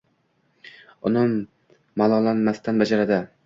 uni malollanmasdan bajaradi.